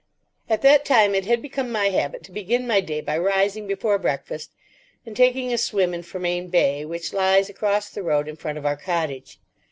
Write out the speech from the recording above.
At that time it had become my habit to begin my day by rising before breakfast and taking a swim in Fermain Bay, which lies across the road in front of our cottage.